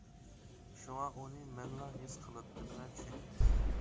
شۇڭا ئۇنى مەنلا ھېس قىلاتتىم ۋە چۈشىنەتتىم.